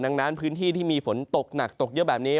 ดังนั้นพื้นที่ที่มีฝนตกหนักตกเยอะแบบนี้